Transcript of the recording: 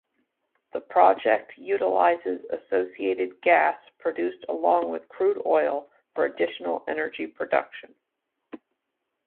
The project utilizes associated gas produced along with crude oil for additional energy production.